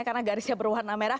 karena garisnya berwarna merah